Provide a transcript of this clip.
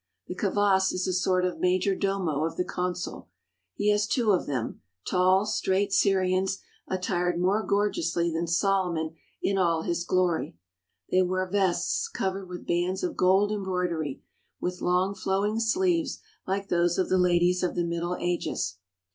The kavass is a sort of major domo of the consul. He has two of them, tall, straight Syrians attired more gorgeously than Solomon in all his glory. They wear vests covered with bands of gold embroidery, with long, flowing sleeves like those of the ladies of the Middle Ages.